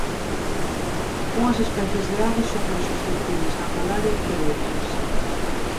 Unhas especies de aves son máis susceptibles á malaria que outras.